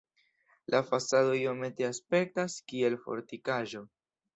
La fasado iomete aspektas kiel fortikaĵo.